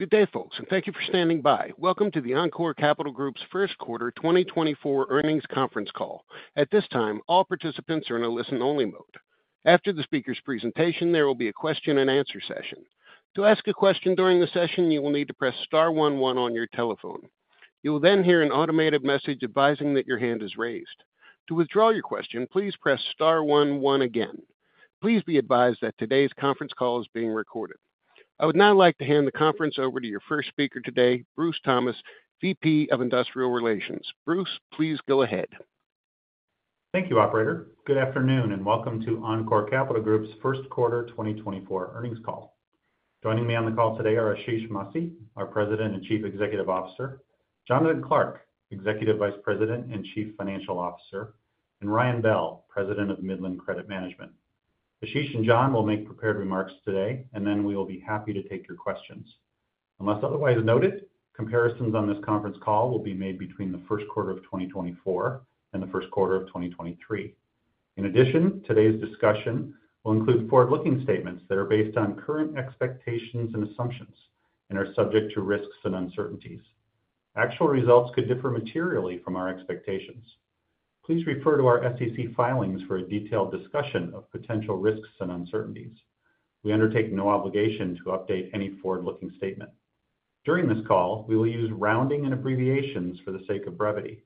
Good day, folks, and thank you for standing by. Welcome to the Encore Capital Group's first quarter 2024 earnings conference call. At this time, all participants are in a listen-only mode. After the speaker's presentation, there will be a question-and-answer session. To ask a question during the session, you will need to press star one one on your telephone. You will then hear an automated message advising that your hand is raised. To withdraw your question, please press star one one again. Please be advised that today's conference call is being recorded. I would now like to hand the conference over to your first speaker today, Bruce Thomas, VP of Investor Relations. Bruce, please go ahead. Thank you, operator. Good afternoon and welcome to Encore Capital Group's first quarter 2024 earnings call. Joining me on the call today are Ashish Masih, our President and Chief Executive Officer; Jonathan Clark, Executive Vice President and Chief Financial Officer; and Ryan Bell, President of Midland Credit Management. Ashish and Jon will make prepared remarks today, and then we will be happy to take your questions. Unless otherwise noted, comparisons on this conference call will be made between the first quarter of 2024 and the first quarter of 2023. In addition, today's discussion will include forward-looking statements that are based on current expectations and assumptions and are subject to risks and uncertainties. Actual results could differ materially from our expectations. Please refer to our SEC filings for a detailed discussion of potential risks and uncertainties. We undertake no obligation to update any forward-looking statement. During this call, we will use rounding and abbreviations for the sake of brevity.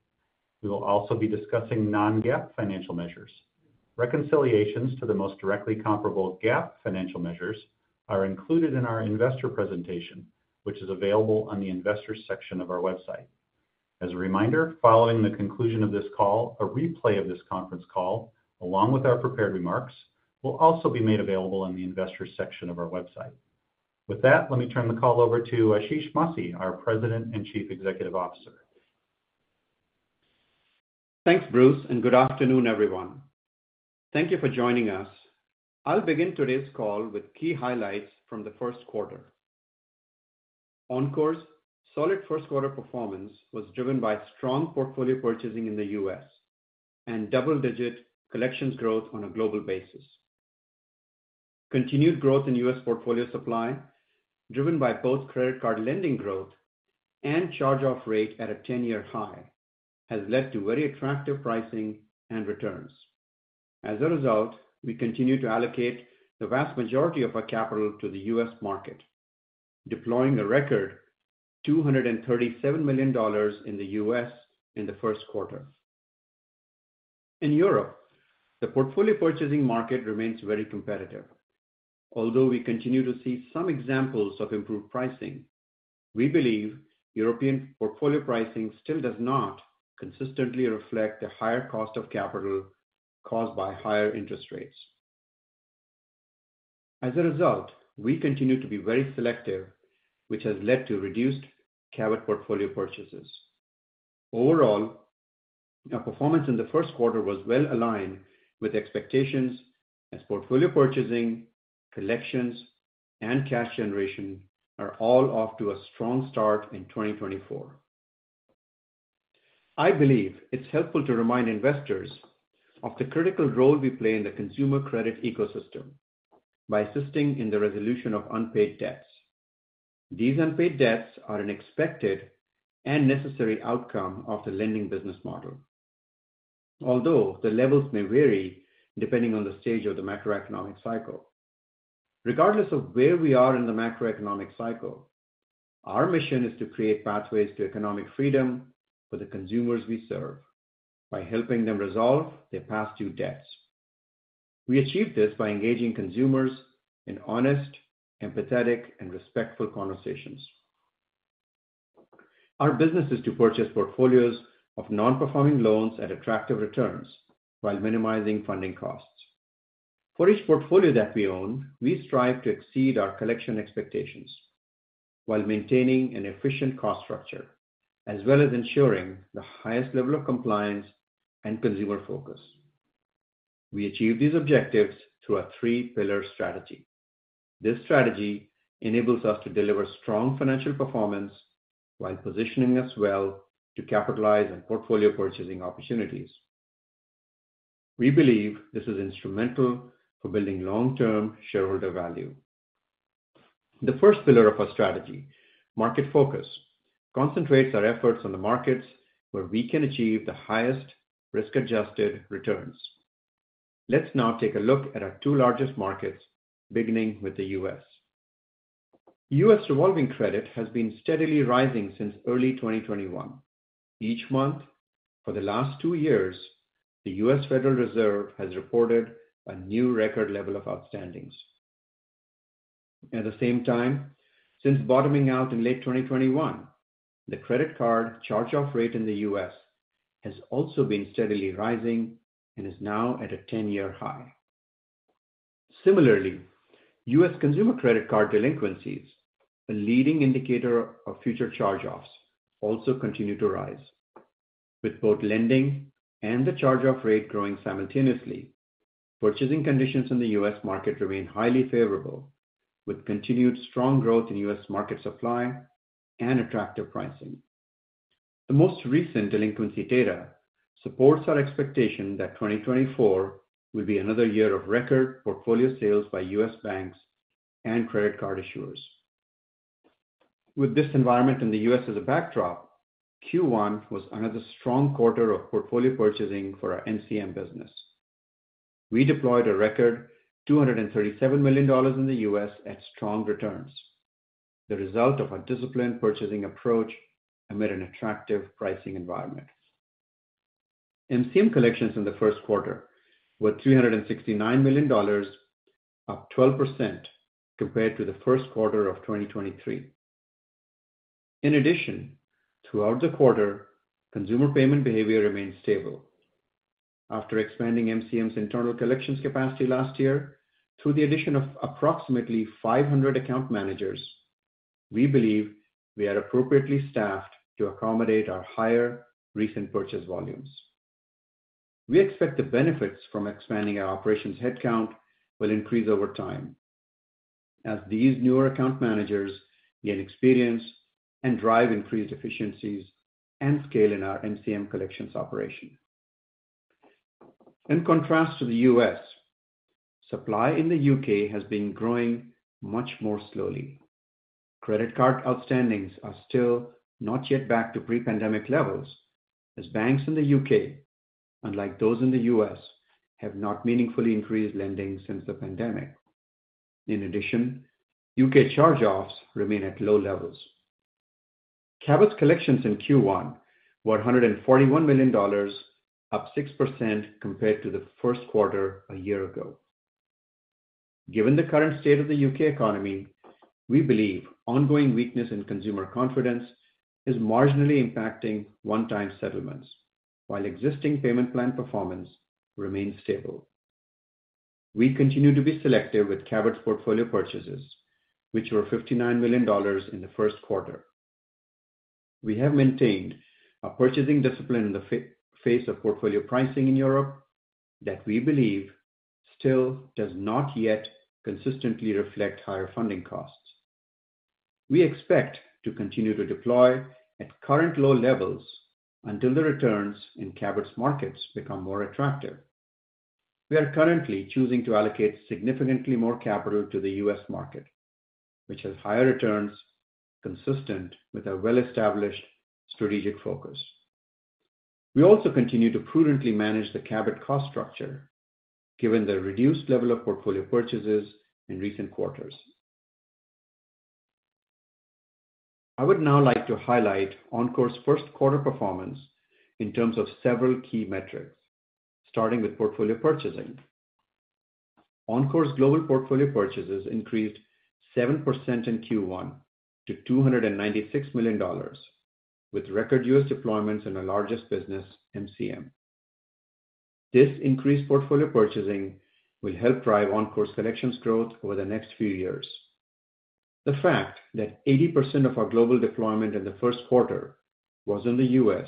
We will also be discussing non-GAAP financial measures. Reconciliations to the most directly comparable GAAP financial measures are included in our investor presentation, which is available on the investors section of our website. As a reminder, following the conclusion of this call, a replay of this conference call, along with our prepared remarks, will also be made available in the investors section of our website. With that, let me turn the call over to Ashish Masih, our President and Chief Executive Officer. Thanks, Bruce, and good afternoon, everyone. Thank you for joining us. I'll begin today's call with key highlights from the first quarter. Encore's solid first-quarter performance was driven by strong portfolio purchasing in the U.S. and double-digit collections growth on a global basis. Continued growth in U.S. portfolio supply, driven by both credit card lending growth and charge-off rate at a 10-year high, has led to very attractive pricing and returns. As a result, we continue to allocate the vast majority of our capital to the U.S. market, deploying a record $237 million in the U.S. in the first quarter. In Europe, the portfolio purchasing market remains very competitive. Although we continue to see some examples of improved pricing, we believe European portfolio pricing still does not consistently reflect the higher cost of capital caused by higher interest rates. As a result, we continue to be very selective, which has led to reduced Cabot portfolio purchases. Overall, our performance in the first quarter was well aligned with expectations, as portfolio purchasing, collections, and cash generation are all off to a strong start in 2024. I believe it's helpful to remind investors of the critical role we play in the consumer credit ecosystem by assisting in the resolution of unpaid debts. These unpaid debts are an expected and necessary outcome of the lending business model, although the levels may vary depending on the stage of the macroeconomic cycle. Regardless of where we are in the macroeconomic cycle, our mission is to create pathways to economic freedom for the consumers we serve by helping them resolve their past due debts. We achieve this by engaging consumers in honest, empathetic, and respectful conversations. Our business is to purchase portfolios of non-performing loans at attractive returns while minimizing funding costs. For each portfolio that we own, we strive to exceed our collection expectations while maintaining an efficient cost structure as well as ensuring the highest level of compliance and consumer focus. We achieve these objectives through a three-pillar strategy. This strategy enables us to deliver strong financial performance while positioning us well to capitalize on portfolio purchasing opportunities. We believe this is instrumental for building long-term shareholder value. The first pillar of our strategy, market focus, concentrates our efforts on the markets where we can achieve the highest risk-adjusted returns. Let's now take a look at our two largest markets, beginning with the U.S. U.S. revolving credit has been steadily rising since early 2021. Each month, for the last two years, the U.S. Federal Reserve has reported a new record level of outstandings. At the same time, since bottoming out in late 2021, the credit card charge-off rate in the U.S. has also been steadily rising and is now at a 10-year high. Similarly, U.S. consumer credit card delinquencies, a leading indicator of future charge-offs, also continue to rise. With both lending and the charge-off rate growing simultaneously, purchasing conditions in the U.S. market remain highly favorable, with continued strong growth in U.S. market supply and attractive pricing. The most recent delinquency data supports our expectation that 2024 will be another year of record portfolio sales by U.S. banks and credit card issuers. With this environment in the U.S. as a backdrop, Q1 was another strong quarter of portfolio purchasing for our MCM business. We deployed a record $237 million in the U.S. at strong returns, the result of our disciplined purchasing approach amid an attractive pricing environment. MCM collections in the first quarter were $369 million, up 12% compared to the first quarter of 2023. In addition, throughout the quarter, consumer payment behavior remained stable. After expanding MCM's internal collections capacity last year through the addition of approximately 500 account managers, we believe we are appropriately staffed to accommodate our higher recent purchase volumes. We expect the benefits from expanding our operations headcount will increase over time, as these newer account managers gain experience and drive increased efficiencies and scale in our MCM collections operation. In contrast to the U.S., supply in the U.K. has been growing much more slowly. Credit card outstandings are still not yet back to pre-pandemic levels, as banks in the U.K., unlike those in the U.S., have not meaningfully increased lending since the pandemic. In addition, U.K. charge-offs remain at low levels. Cabot's collections in Q1 were $141 million, up 6% compared to the first quarter a year ago. Given the current state of the U.K. economy, we believe ongoing weakness in consumer confidence is marginally impacting one-time settlements while existing payment plan performance remains stable. We continue to be selective with Cabot's portfolio purchases, which were $59 million in the first quarter. We have maintained a purchasing discipline in the face of portfolio pricing in Europe that we believe still does not yet consistently reflect higher funding costs. We expect to continue to deploy at current low levels until the returns in Cabot's markets become more attractive. We are currently choosing to allocate significantly more capital to the U.S. market, which has higher returns consistent with our well-established strategic focus. We also continue to prudently manage the Cabot cost structure given the reduced level of portfolio purchases in recent quarters. I would now like to highlight Encore's first-quarter performance in terms of several key metrics, starting with portfolio purchasing. Encore's global portfolio purchases increased 7% in Q1 to $296 million, with record U.S. deployments in our largest business, MCM. This increased portfolio purchasing will help drive Encore's collections growth over the next few years. The fact that 80% of our global deployment in the first quarter was in the U.S.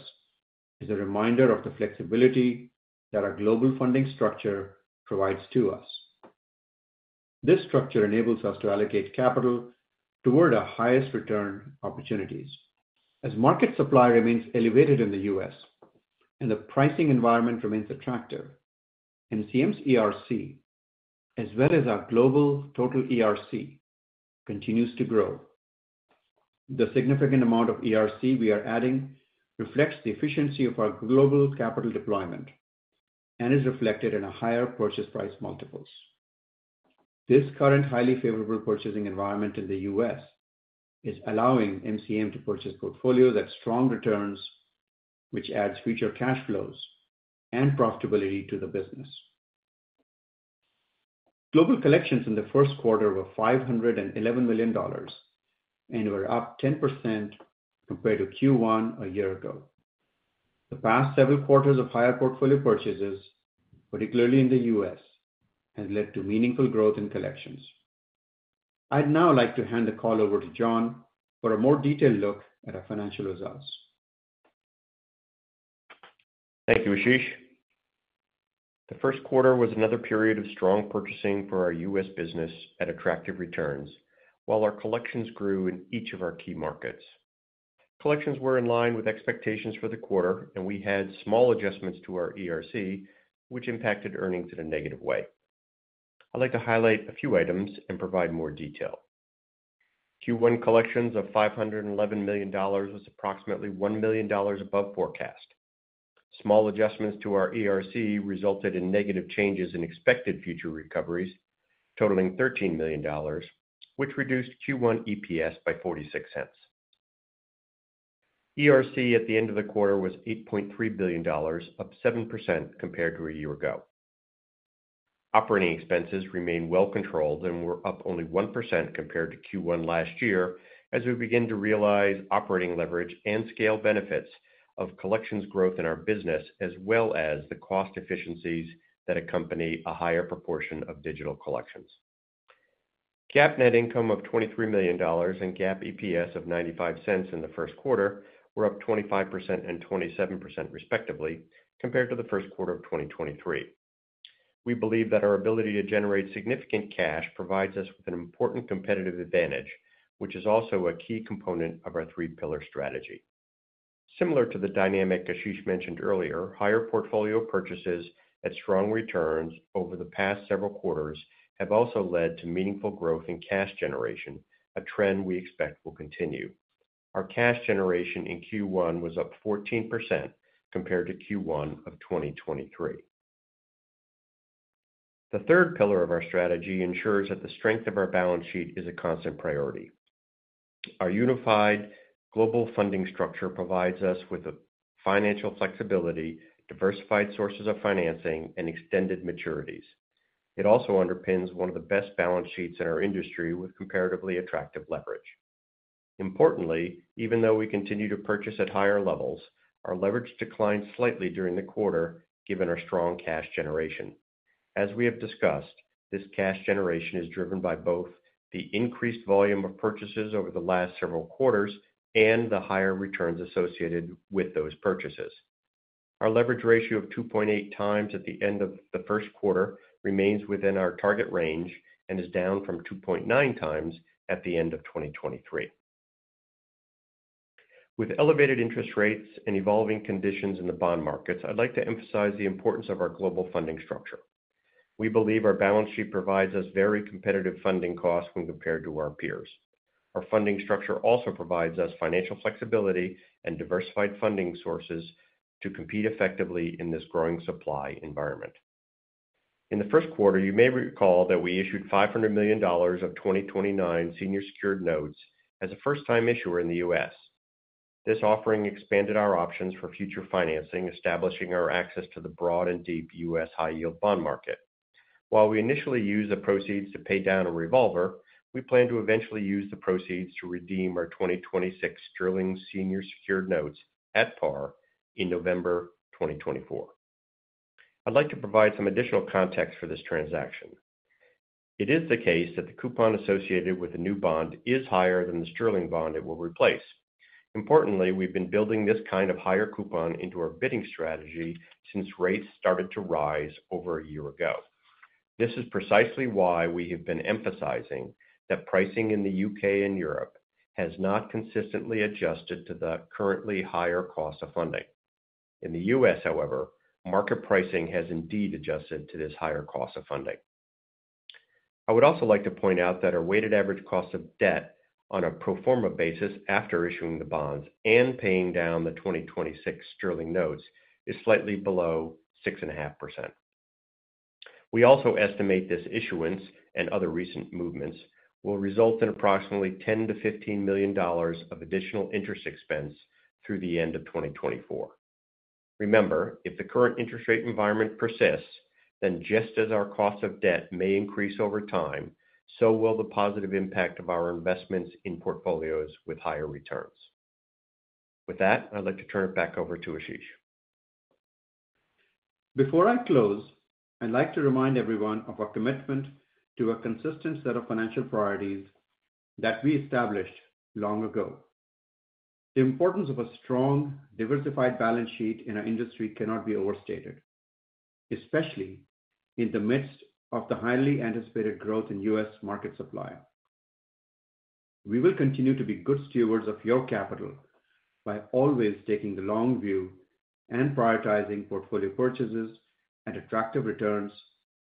is a reminder of the flexibility that our global funding structure provides to us. This structure enables us to allocate capital toward our highest return opportunities. As market supply remains elevated in the U.S. and the pricing environment remains attractive, MCM's ERC, as well as our global total ERC, continues to grow. The significant amount of ERC we are adding reflects the efficiency of our global capital deployment and is reflected in our higher purchase price multiples. This current highly favorable purchasing environment in the U.S. is allowing MCM to purchase portfolios at strong returns, which adds future cash flows and profitability to the business. Global collections in the first quarter were $511 million and were up 10% compared to Q1 a year ago. The past several quarters of higher portfolio purchases, particularly in the U.S., have led to meaningful growth in collections. I'd now like to hand the call over to Jon for a more detailed look at our financial results. Thank you, Ashish. The first quarter was another period of strong purchasing for our US business at attractive returns while our collections grew in each of our key markets. Collections were in line with expectations for the quarter, and we had small adjustments to our ERC, which impacted earnings in a negative way. I'd like to highlight a few items and provide more detail. Q1 collections of $511 million was approximately $1 million above forecast. Small adjustments to our ERC resulted in negative changes in expected future recoveries, totaling $13 million, which reduced Q1 EPS by $0.46. ERC at the end of the quarter was $8.3 billion, up 7% compared to a year ago. Operating expenses remain well-controlled and were up only 1% compared to Q1 last year, as we begin to realize operating leverage and scale benefits of collections growth in our business as well as the cost efficiencies that accompany a higher proportion of digital collections. GAAP net income of $23 million and GAAP EPS of $0.95 in the first quarter were up 25% and 27% respectively compared to the first quarter of 2023. We believe that our ability to generate significant cash provides us with an important competitive advantage, which is also a key component of our three-pillar strategy. Similar to the dynamic Ashish mentioned earlier, higher portfolio purchases at strong returns over the past several quarters have also led to meaningful growth in cash generation, a trend we expect will continue. Our cash generation in Q1 was up 14% compared to Q1 of 2023. The third pillar of our strategy ensures that the strength of our balance sheet is a constant priority. Our unified global funding structure provides us with financial flexibility, diversified sources of financing, and extended maturities. It also underpins one of the best balance sheets in our industry with comparatively attractive leverage. Importantly, even though we continue to purchase at higher levels, our leverage declined slightly during the quarter given our strong cash generation. As we have discussed, this cash generation is driven by both the increased volume of purchases over the last several quarters and the higher returns associated with those purchases. Our leverage ratio of 2.8x at the end of the first quarter remains within our target range and is down from 2.9x at the end of 2023. With elevated interest rates and evolving conditions in the bond markets, I'd like to emphasize the importance of our global funding structure. We believe our balance sheet provides us very competitive funding costs when compared to our peers. Our funding structure also provides us financial flexibility and diversified funding sources to compete effectively in this growing supply environment. In the first quarter, you may recall that we issued $500 million of 2029 Senior Secured Notes as a first-time issuer in the U.S. This offering expanded our options for future financing, establishing our access to the broad and deep U.S. high-yield bond market. While we initially used the proceeds to pay down a revolver, we plan to eventually use the proceeds to redeem our 2026 Sterling Senior Secured Notes at par in November 2024. I'd like to provide some additional context for this transaction. It is the case that the coupon associated with the new bond is higher than the Sterling bond it will replace. Importantly, we've been building this kind of higher coupon into our bidding strategy since rates started to rise over a year ago. This is precisely why we have been emphasizing that pricing in the U.K. and Europe has not consistently adjusted to the currently higher cost of funding. In the U.S., however, market pricing has indeed adjusted to this higher cost of funding. I would also like to point out that our weighted average cost of debt on a pro forma basis after issuing the bonds and paying down the 2026 Sterling notes is slightly below 6.5%. We also estimate this issuance and other recent movements will result in approximately $10 million-$15 million of additional interest expense through the end of 2024. Remember, if the current interest rate environment persists, then just as our cost of debt may increase over time, so will the positive impact of our investments in portfolios with higher returns. With that, I'd like to turn it back over to Ashish. Before I close, I'd like to remind everyone of our commitment to a consistent set of financial priorities that we established long ago. The importance of a strong, diversified balance sheet in our industry cannot be overstated, especially in the midst of the highly anticipated growth in U.S. market supply. We will continue to be good stewards of your capital by always taking the long view and prioritizing portfolio purchases at attractive returns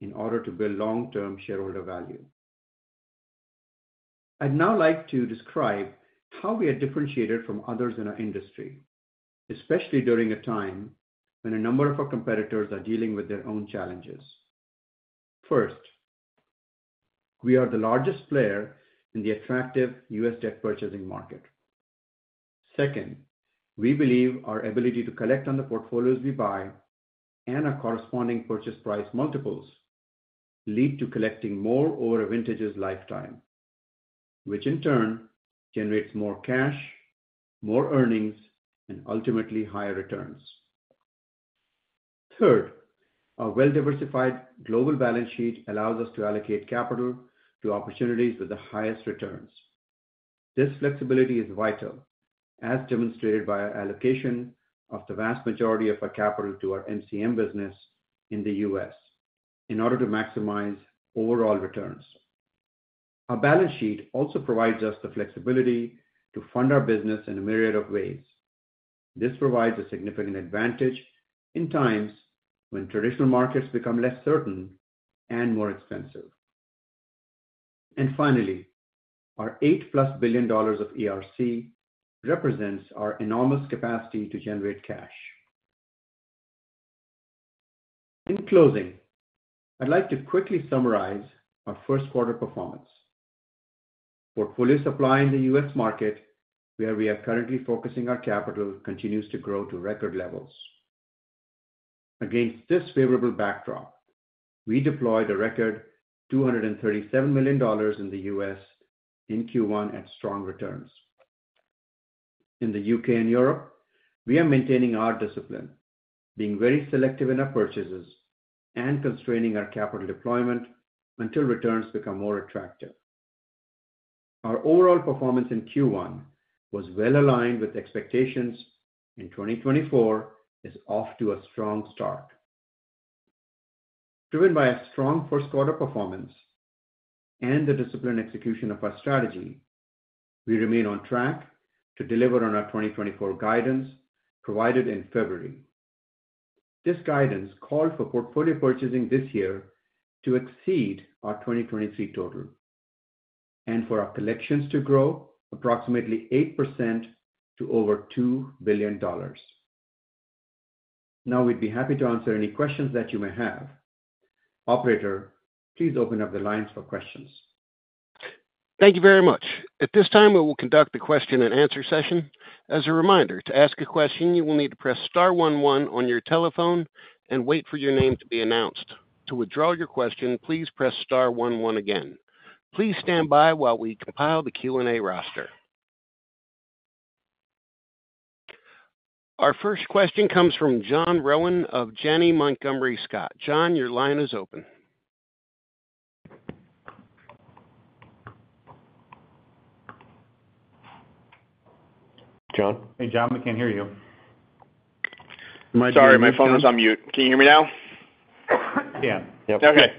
in order to build long-term shareholder value. I'd now like to describe how we are differentiated from others in our industry, especially during a time when a number of our competitors are dealing with their own challenges. First, we are the largest player in the attractive U.S. debt purchasing market. Second, we believe our ability to collect on the portfolios we buy and our corresponding purchase price multiples lead to collecting more over a vintage's lifetime, which in turn generates more cash, more earnings, and ultimately higher returns. Third, our well-diversified global balance sheet allows us to allocate capital to opportunities with the highest returns. This flexibility is vital, as demonstrated by our allocation of the vast majority of our capital to our MCM business in the U.S. in order to maximize overall returns. Our balance sheet also provides us the flexibility to fund our business in a myriad of ways. This provides a significant advantage in times when traditional markets become less certain and more expensive. And finally, our $8+ billion of ERC represents our enormous capacity to generate cash. In closing, I'd like to quickly summarize our first-quarter performance. Portfolio supply in the U.S. market, where we are currently focusing our capital, continues to grow to record levels. Against this favorable backdrop, we deployed a record $237 million in the U.S. in Q1 at strong returns. In the U.K. and Europe, we are maintaining our discipline, being very selective in our purchases, and constraining our capital deployment until returns become more attractive. Our overall performance in Q1 was well-aligned with expectations, and 2024 is off to a strong start. Driven by a strong first-quarter performance and the disciplined execution of our strategy, we remain on track to deliver on our 2024 guidance provided in February. This guidance called for portfolio purchasing this year to exceed our 2023 total and for our collections to grow approximately 8% to over $2 billion. Now, we'd be happy to answer any questions that you may have. Operator, please open up the lines for questions. Thank you very much. At this time, we will conduct the question-and-answer session. As a reminder, to ask a question, you will need to press star one one on your telephone and wait for your name to be announced. To withdraw your question, please press star one one again. Please stand by while we compile the Q&A roster. Our first question comes from John Rowan of Janney Montgomery Scott. John, your line is open. John? Hey, John. We can't hear you. Sorry, my phone is on mute. Can you hear me now? Yeah. Okay.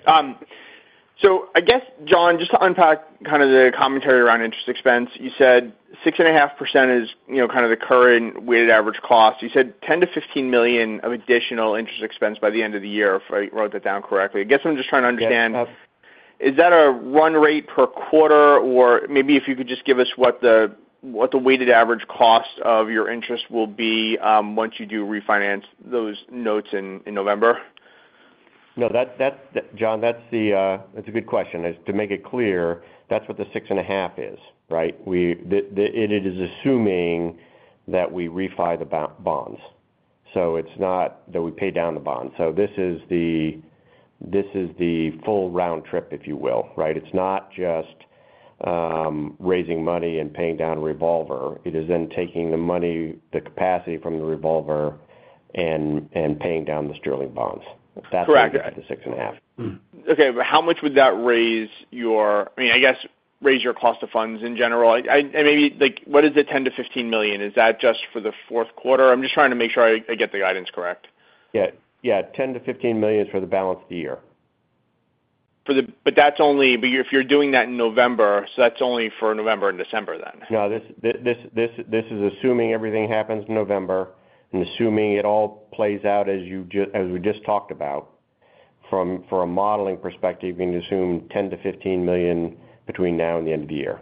So I guess, John, just to unpack kind of the commentary around interest expense, you said 6.5% is kind of the current weighted average cost. You said $10 million-$15 million of additional interest expense by the end of the year, if I wrote that down correctly. I guess I'm just trying to understand, is that a run rate per quarter, or maybe if you could just give us what the weighted average cost of your interest will be once you do refinance those notes in November? No, John, that's a good question. To make it clear, that's what the 6.5% is, right? It is assuming that we refi the bonds. So it's not that we pay down the bonds. So this is the full round trip, if you will, right? It's not just raising money and paying down a revolver. It is then taking the money, the capacity from the revolver, and paying down the Sterling bonds. That's what the 6.5% is. Okay. But how much would that raise your—I mean, I guess raise your cost of funds in general? And maybe what is the $10 million-$15 million? Is that just for the fourth quarter? I'm just trying to make sure I get the guidance correct. Yeah. $10 million-$15 million is for the balance of the year. But if you're doing that in November, so that's only for November and December then? No, this is assuming everything happens in November and assuming it all plays out as we just talked about. From a modeling perspective, you can assume $10 million-$15 million between now and the end of the year.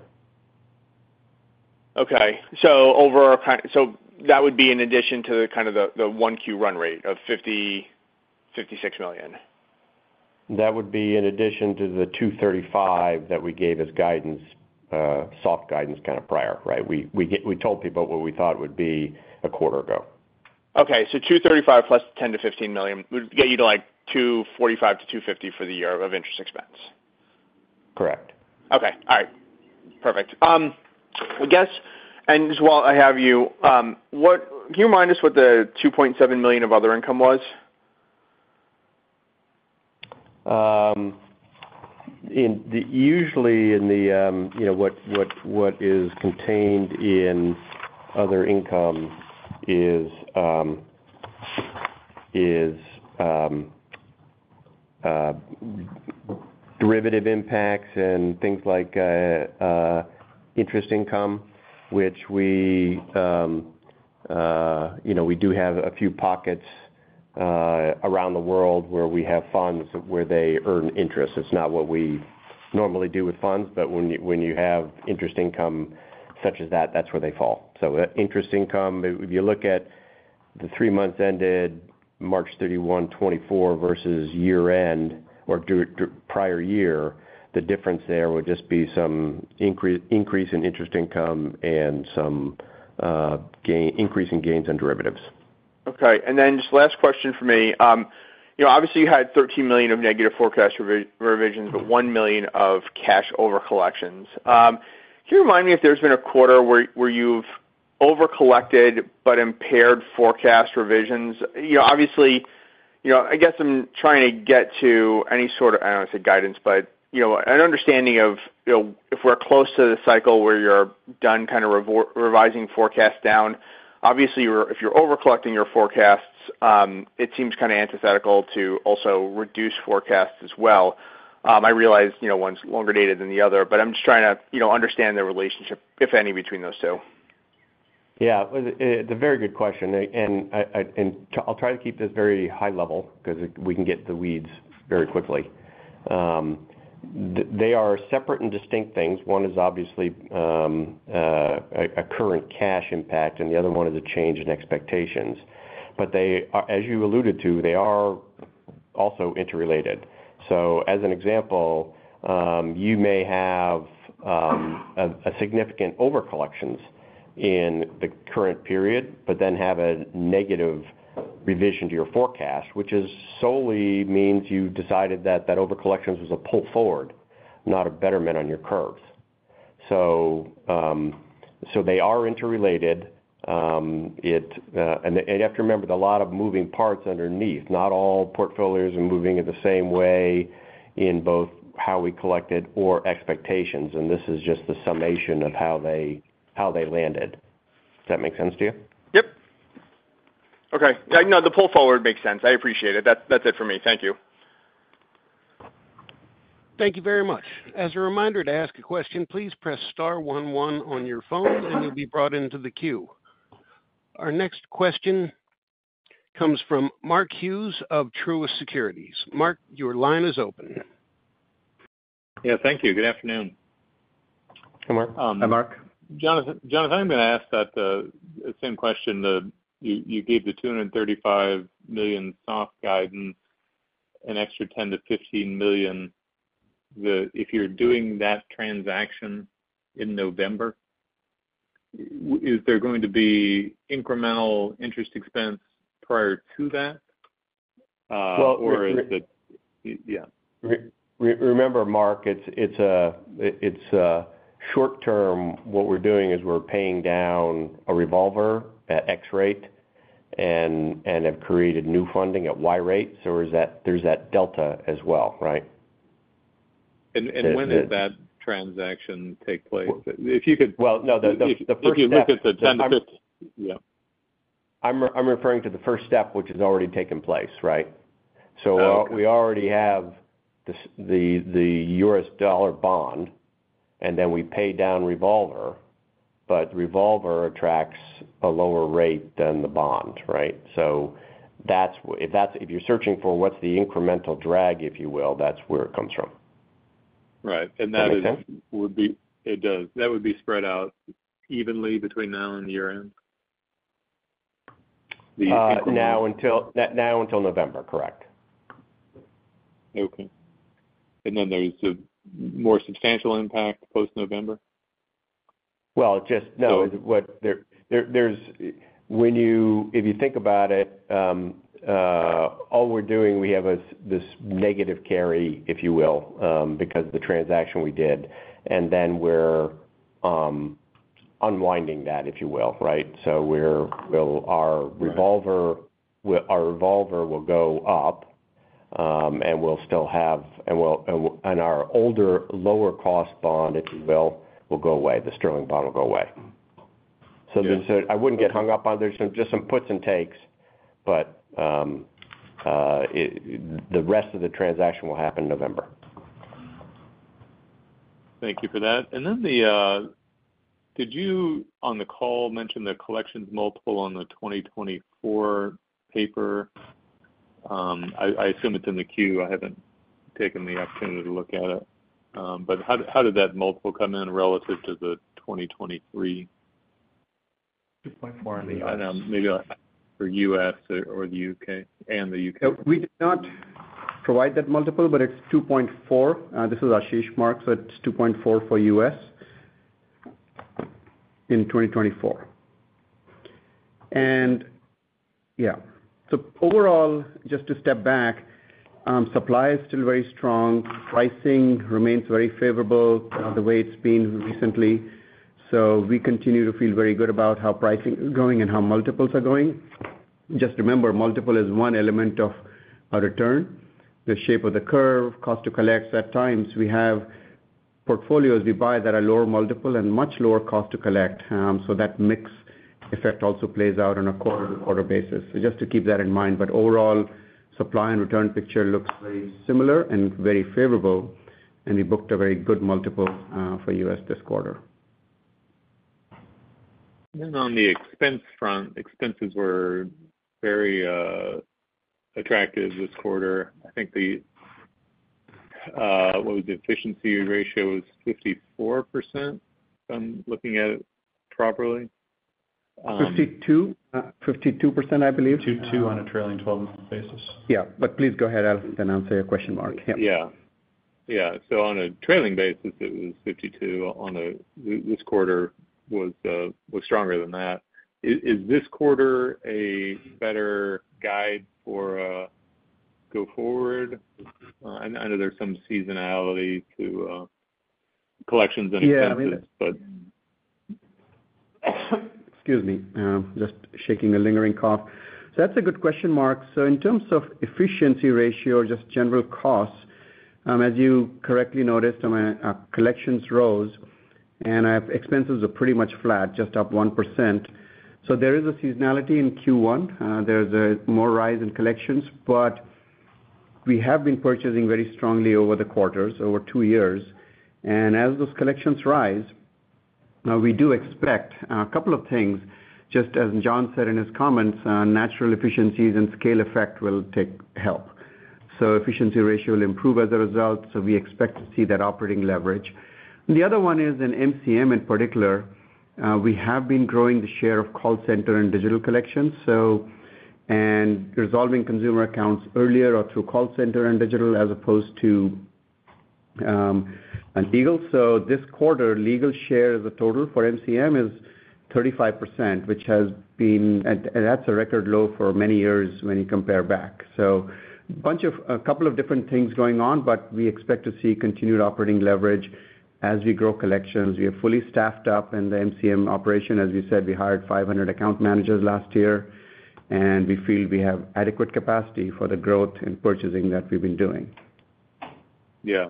Okay. So that would be in addition to kind of the 1Q run rate of $56 million? That would be in addition to the $235 that we gave as guidance, soft guidance kind of prior, right? We told people what we thought would be a quarter ago. Okay. So $235 million + $10 million-$15 million would get you to $245 million-$250 million for the year of interest expense? Correct. Okay. All right. Perfect. And while I have you, can you remind us what the $2.7 million of other income was? Usually, what is contained in other income is derivative impacts and things like interest income, which we do have a few pockets around the world where we have funds where they earn interest. It's not what we normally do with funds, but when you have interest income such as that, that's where they fall. So interest income, if you look at the three months ended March 31, 2024, versus year-end or prior year, the difference there would just be some increase in interest income and some increase in gains on derivatives. Okay. And then just last question for me. Obviously, you had $13 million of negative forecast revisions, but $1 million of cash over-collections. Can you remind me if there's been a quarter where you've over-collected but impaired forecast revisions? Obviously, I guess I'm trying to get to any sort of I don't want to say guidance, but an understanding of if we're close to the cycle where you're done kind of revising forecasts down, obviously, if you're over-collecting your forecasts, it seems kind of antithetical to also reduce forecasts as well. I realize one's longer dated than the other, but I'm just trying to understand the relationship, if any, between those two. Yeah. It's a very good question. And I'll try to keep this very high-level because we can get in the weeds very quickly. They are separate and distinct things. One is obviously a current cash impact, and the other one is a change in expectations. But as you alluded to, they are also interrelated. So as an example, you may have significant over-collections in the current period but then have a negative revision to your forecast, which solely means you decided that that over-collections was a pull forward, not a betterment on your curves. So they are interrelated. And you have to remember there are a lot of moving parts underneath. Not all portfolios are moving in the same way in both how we collected or expectations. And this is just the summation of how they landed. Does that make sense to you? Yep. Okay. No, the pull forward makes sense. I appreciate it. That's it for me. Thank you. Thank you very much. As a reminder to ask a question, please press star one one on your phone, and you'll be brought into the queue. Our next question comes from Mark Hughes of Truist Securities. Mark, your line is open. Yeah. Thank you. Good afternoon. Hey, Mark. Hey, Mark. Jonathan, I'm going to ask that same question. You gave the $235 million soft guidance, an extra $10 million-$15 million. If you're doing that transaction in November, is there going to be incremental interest expense prior to that, or is it? Yeah. Remember, Mark, it's short-term. What we're doing is we're paying down a revolver at x rate and have created new funding at y rate. So there's that delta as well, right? When did that transaction take place? If you could. Well, no. If you look at the $10 million-$15 million. I'm referring to the first step, which has already taken place, right? So we already have the U.S. dollar bond, and then we pay down revolver, but revolver attracts a lower rate than the bond, right? So if you're searching for what's the incremental drag, if you will, that's where it comes from. Right. And that would be. That makes sense. It does. That would be spread out evenly between now and the year-end? The incremental. Now until November, correct. Okay. And then there's a more substantial impact post-November? Well, no. If you think about it, all we're doing, we have this negative carry, if you will, because of the transaction we did. And then we're unwinding that, if you will, right? So our revolver will go up, and we'll still have our older, lower-cost bond, if you will, will go away. The Sterling bond will go away. So I wouldn't get hung up on there. So just some puts and takes, but the rest of the transaction will happen in November. Thank you for that. And then did you, on the call, mention the collections multiple on the 2024 paper? I assume it's in the Q. I haven't taken the opportunity to look at it. But how did that multiple come in relative to the 2023? 2.4 in the U.S. I don't know. Maybe for U.S. or the U.K. and the U.K. We did not provide that multiple, but it's 2.4. This is Ashish Masih. So it's 2.4 for U.S. in 2024. And yeah. So overall, just to step back, supply is still very strong. Pricing remains very favorable, the way it's been recently. So we continue to feel very good about how pricing is going and how multiples are going. Just remember, multiple is one element of our return, the shape of the curve, cost to collect. At times, we have portfolios we buy that are lower multiple and much lower cost to collect. So that mix effect also plays out on a quarter-to-quarter basis. So just to keep that in mind. But overall, supply and return picture looks very similar and very favorable. And we booked a very good multiple for U.S. this quarter. On the expense front, expenses were very attractive this quarter. I think what was the efficiency ratio was 54% if I'm looking at it properly. 52%, I believe. 52% on a trailing 12-month basis? Yeah. But please go ahead, I'll, then answer your question, Mark. Yep. Yeah. Yeah. So on a trailing basis, it was 52%. This quarter was stronger than that. Is this quarter a better guide for going forward? I know there's some seasonality to collections and expenses, but. Excuse me. Just shaking a lingering cough. So that's a good question, Mark. So in terms of efficiency ratio or just general costs, as you correctly noticed, collections rose, and expenses are pretty much flat, just up 1%. So there is a seasonality in Q1. There's a more rise in collections, but we have been purchasing very strongly over the quarters, over two years. And as those collections rise, we do expect a couple of things. Just as Jon said in his comments, natural efficiencies and scale effect will help. So efficiency ratio will improve as a result. So we expect to see that operating leverage. The other one is in MCM in particular. We have been growing the share of call center and digital collections and resolving consumer accounts earlier or through call center and digital as opposed to legal. This quarter, legal share as a total for MCM is 35%, which has been, and that's a record low for many years when you compare back. A couple of different things going on, but we expect to see continued operating leverage as we grow collections. We are fully staffed up in the MCM operation. As we said, we hired 500 account managers last year, and we feel we have adequate capacity for the growth and purchasing that we've been doing. Yeah.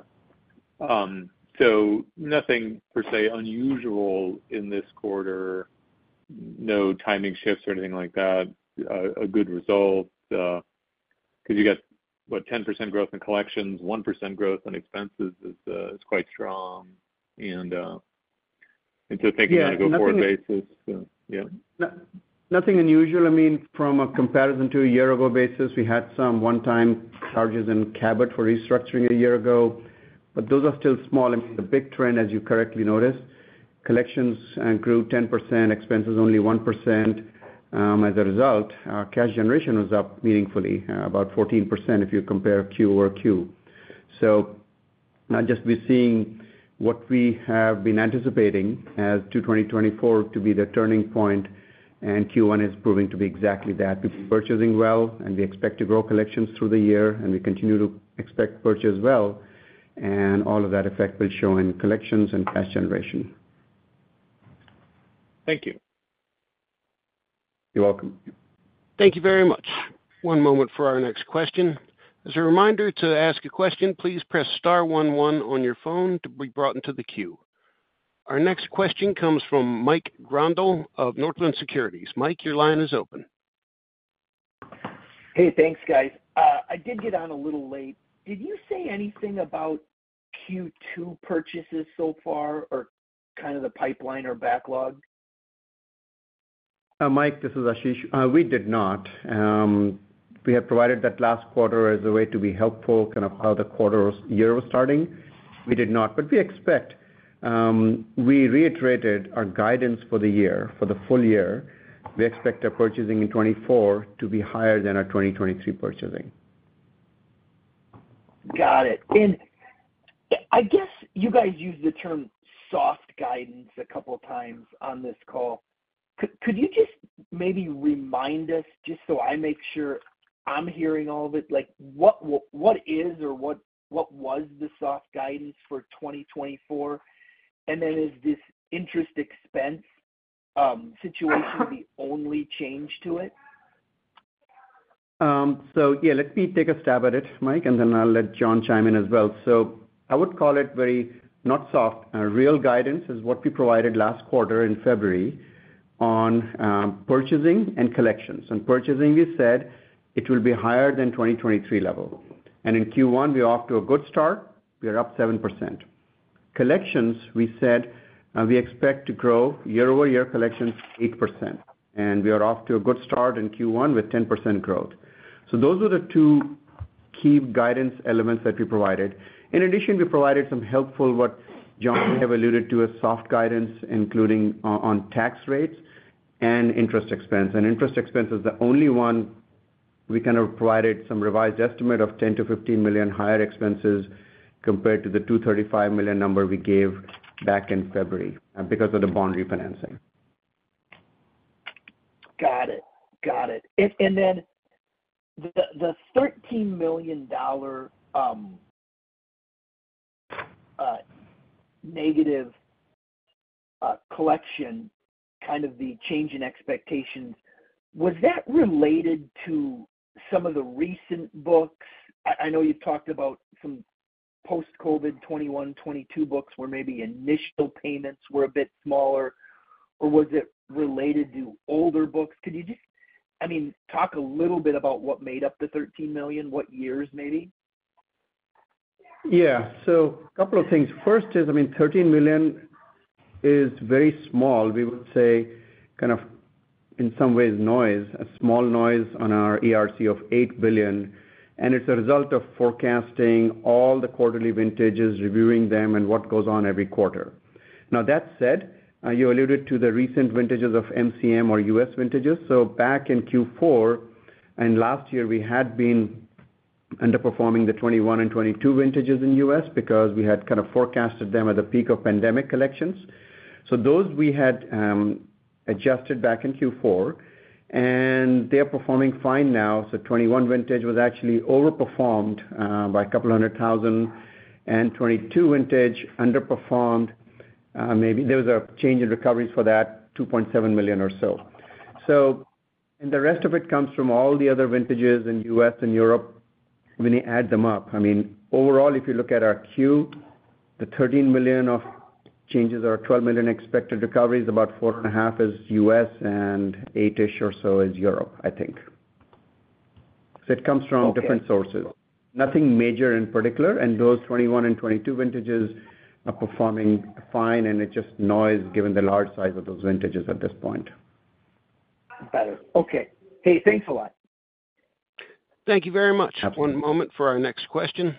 So nothing per se unusual in this quarter. No timing shifts or anything like that. A good result because you got, what, 10% growth in collections, 1% growth in expenses is quite strong. And so thinking on a go forward basis, yeah. Nothing unusual. I mean, from a comparison to a year-ago basis, we had some one-time charges in Cabot for restructuring a year ago, but those are still small. I mean, the big trend, as you correctly noticed, collections grew 10%, expenses only 1%. As a result, cash generation was up meaningfully, about 14% if you compare Q-over-Q. So just be seeing what we have been anticipating as 2024 to be the turning point, and Q1 is proving to be exactly that. We've been purchasing well, and we expect to grow collections through the year, and we continue to expect purchase well. And all of that effect will show in collections and cash generation. Thank you. You're welcome. Thank you very much. One moment for our next question. As a reminder to ask a question, please press star one one on your phone to be brought into the queue. Our next question comes from Mike Grondahl of Northland Securities. Mike, your line is open. Hey. Thanks, guys. I did get on a little late. Did you say anything about Q2 purchases so far or kind of the pipeline or backlog? Mike, this is Ashish. We did not. We have provided that last quarter as a way to be helpful kind of how the year was starting. We did not, but we expect. We reiterated our guidance for the year, for the full year. We expect our purchasing in 2024 to be higher than our 2023 purchasing. Got it. And I guess you guys used the term soft guidance a couple of times on this call. Could you just maybe remind us, just so I make sure I'm hearing all of it, what is or what was the soft guidance for 2024? And then is this interest expense situation the only change to it? So yeah. Let me take a stab at it, Mike, and then I'll let Jon chime in as well. So I would call it very not soft. Real guidance is what we provided last quarter in February on purchasing and collections. On purchasing, we said it will be higher than 2023 level. In Q1, we're off to a good start. We are up 7%. Collections, we said we expect to grow year-over-year collections 8%, and we are off to a good start in Q1 with 10% growth. So those were the two key guidance elements that we provided. In addition, we provided some helpful, what Jon may have alluded to, as soft guidance, including on tax rates and interest expense. Interest expense is the only one we kind of provided some revised estimate of $10 million-$15 million higher expenses compared to the $235 million number we gave back in February because of the bond refinancing. Got it. Got it. And then the $13 million negative collection, kind of the change in expectations, was that related to some of the recent books? I know you talked about some post-COVID 2021, 2022 books where maybe initial payments were a bit smaller, or was it related to older books? Could you just, I mean, talk a little bit about what made up the $13 million, what years maybe? Yeah. So a couple of things. First is, I mean, $13 million is very small. We would say kind of in some ways, noise, a small noise on our ERC of $8 billion. And it's a result of forecasting all the quarterly vintages, reviewing them, and what goes on every quarter. Now, that said, you alluded to the recent vintages of MCM or US vintages. So back in Q4 and last year, we had been underperforming the 2021 and 2022 vintages in U.S. because we had kind of forecasted them at the peak of pandemic collections. So those we had adjusted back in Q4, and they are performing fine now. So 2021 vintage was actually overperformed by a couple of hundred thousand, and 2022 vintage underperformed. There was a change in recoveries for that, $2.7 million or so. So, and the rest of it comes from all the other vintages in US and Europe when you add them up. I mean, overall, if you look at our Q, the $13 million of changes or $12 million expected recoveries, about $4.5 million is US and $8 million-ish or so is Europe, I think. So it comes from different sources. Nothing major in particular. And those 2021 and 2022 vintages are performing fine, and it's just noise given the large size of those vintages at this point. Got it. Okay. Hey, thanks a lot. Thank you very much. One moment for our next question.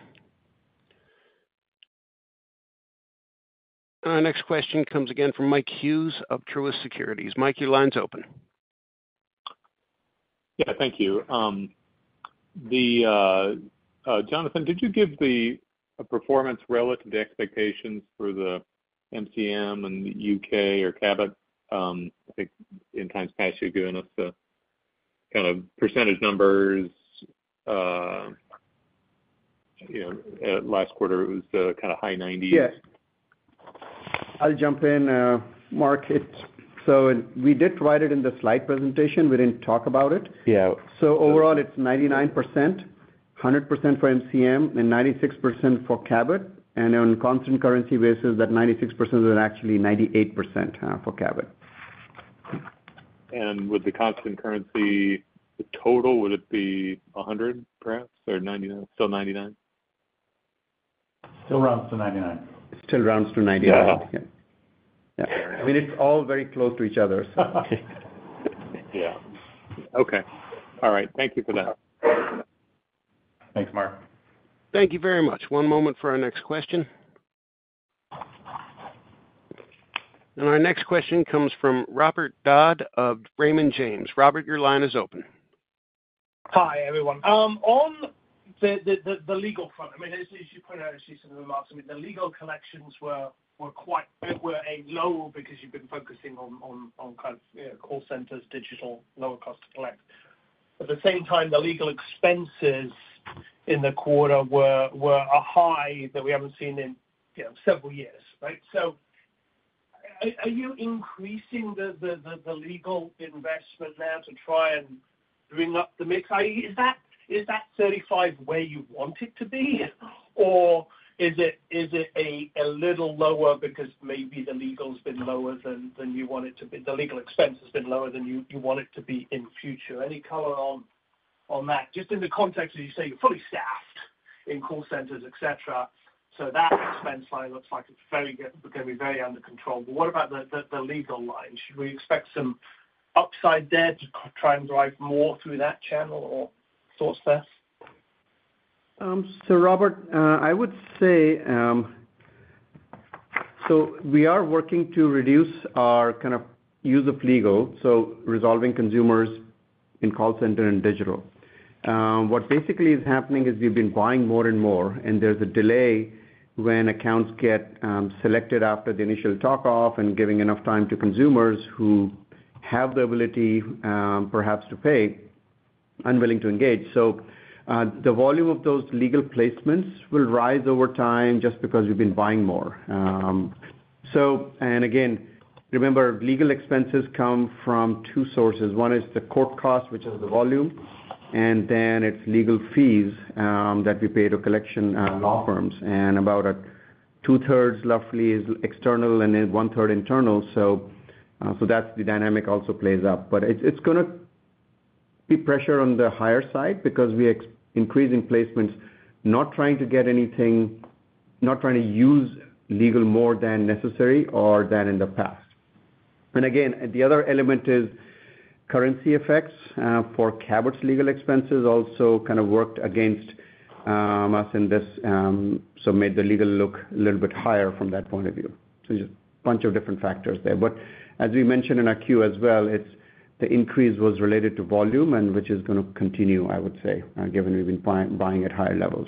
Our next question comes again from Mark Hughes of Truist Securities. Mark, your line's open. Yeah. Thank you. Jonathan, did you give a performance relative to expectations for the MCM and the UK or Cabot? I think in times past, you've given us kind of percentage numbers. Last quarter, it was kind of high 90s%. Yes. I'll jump in, Mark. So we did write it in the slide presentation. We didn't talk about it. So overall, it's 99%, 100% for MCM, and 96% for Cabot. And on constant currency basis, that 96% is actually 98% for Cabot. With the constant currency, the total, would it be 100%, perhaps, or still 99%? Still rounds to 99%. Still rounds to 99. Yeah. Yeah. I mean, it's all very close to each other, so. Okay. Okay. All right. Thank you for that. Thanks, Mark. Thank you very much. One moment for our next question. Our next question comes from Robert Dodd of Raymond James. Robert, your line is open. Hi, everyone. On the legal front, I mean, as you pointed out, as you said in the remarks, I mean, the legal collections were quite low because you've been focusing on kind of call centers, digital, lower cost to collect. At the same time, the legal expenses in the quarter were high that we haven't seen in several years, right? So are you increasing the legal investment now to try and bring up the mix? Is that $35 million where you want it to be, or is it a little lower because maybe the legal's been lower than you want it to be, the legal expense has been lower than you want it to be in future? Any color on that? Just in the context of you say you're fully staffed in call centers, etc. So that expense line looks like it's going to be very under control. But what about the legal line? Should we expect some upside there to try and drive more through that channel, or thoughts there? So, Robert, I would say, so we are working to reduce our kind of use of legal, so resolving consumers in call center and digital. What basically is happening is we've been buying more and more, and there's a delay when accounts get selected after the initial talkoff and giving enough time to consumers who have the ability perhaps to pay, unwilling to engage. So the volume of those legal placements will rise over time just because we've been buying more. And again, remember, legal expenses come from two sources. One is the court cost, which is the volume, and then it's legal fees that we pay to collection law firms. And about 2/3, roughly, is external and then 1/3 internal. So that's the dynamic also plays up. But it's going to be pressure on the higher side because we are increasing placements, not trying to get anything not trying to use legal more than necessary or than in the past. And again, the other element is currency effects for Cabot's legal expenses also kind of worked against us in this so made the legal look a little bit higher from that point of view. So just a bunch of different factors there. But as we mentioned in our Q as well, the increase was related to volume, which is going to continue, I would say, given we've been buying at higher levels.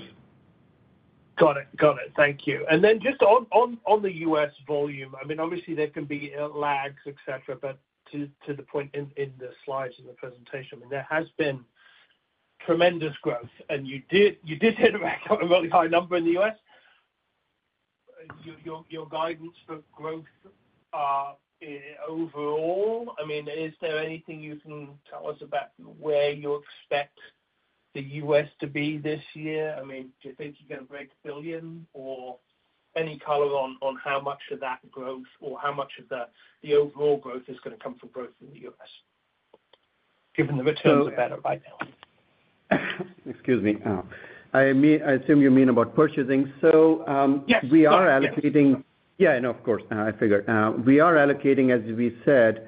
Got it. Got it. Thank you. And then just on the U.S. volume, I mean, obviously, there can be lags, etc., but to the point in the slides and the presentation, I mean, there has been tremendous growth, and you did hit a really high number in the U.S. Your guidance for growth overall, I mean, is there anything you can tell us about where you expect the U.S. to be this year? I mean, do you think you're going to break $1 billion or any color on how much of that growth or how much of the overall growth is going to come from growth in the U.S. given the returns are better right now? Excuse me. I assume you mean about purchasing. So we are allocating yeah, no, of course. I figured. We are allocating, as we said,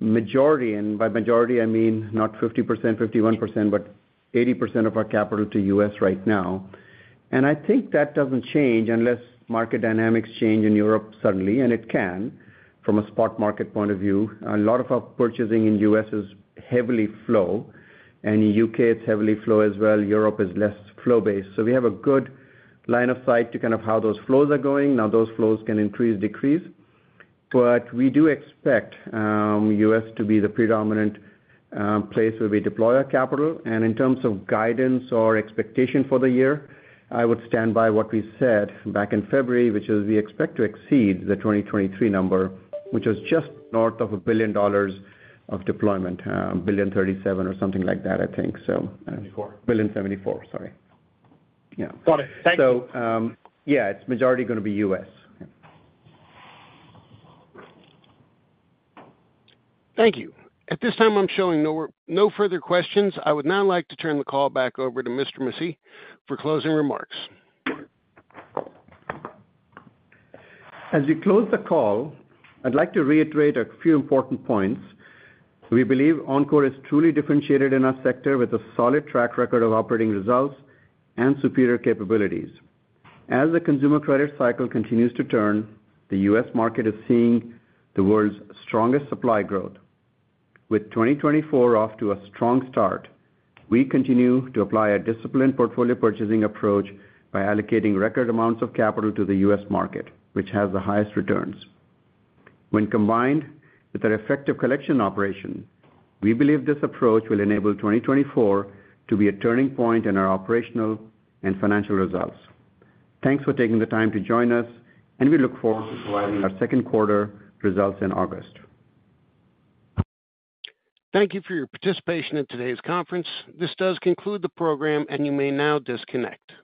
majority and by majority, I mean not 50%, 51%, but 80% of our capital to U.S. right now. And I think that doesn't change unless market dynamics change in Europe suddenly, and it can from a spot market point of view. A lot of our purchasing in U.S. is heavily flow, and in the U.K., it's heavily flow as well. Europe is less flow-based. So we have a good line of sight to kind of how those flows are going. Now, those flows can increase, decrease. But we do expect U.S. to be the predominant place where we deploy our capital. In terms of guidance or expectation for the year, I would stand by what we said back in February, which is we expect to exceed the 2023 number, which was just north of $1 billion of deployment, $1.037 billion or something like that, I think, so. $74 million. $74 billion, sorry. Yeah. Got it. Thank you. Yeah, it's majority going to be U.S. Thank you. At this time, I'm showing no further questions. I would now like to turn the call back over to Mr. Masih for closing remarks. As we close the call, I'd like to reiterate a few important points. We believe Encore is truly differentiated in our sector with a solid track record of operating results and superior capabilities. As the consumer credit cycle continues to turn, the U.S. market is seeing the world's strongest supply growth. With 2024 off to a strong start, we continue to apply a disciplined portfolio purchasing approach by allocating record amounts of capital to the U.S. market, which has the highest returns. When combined with our effective collection operation, we believe this approach will enable 2024 to be a turning point in our operational and financial results. Thanks for taking the time to join us, and we look forward to providing our second quarter results in August. Thank you for your participation in today's conference. This does conclude the program, and you may now disconnect.